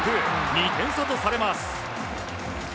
２点差とされます。